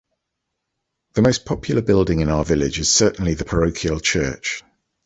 The most popular building in our village is certainly the parochial church.